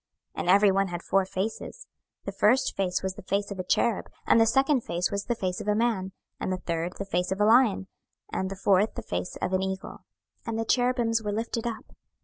26:010:014 And every one had four faces: the first face was the face of a cherub, and the second face was the face of a man, and the third the face of a lion, and the fourth the face of an eagle. 26:010:015 And the cherubims were lifted up.